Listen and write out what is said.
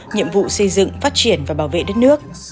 nhiệm vụ xây dựng phát triển và bảo vệ đất nước